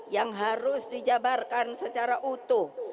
yang harus dijabarkan secara utuh